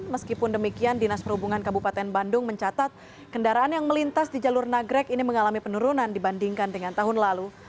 meskipun demikian dinas perhubungan kabupaten bandung mencatat kendaraan yang melintas di jalur nagrek ini mengalami penurunan dibandingkan dengan tahun lalu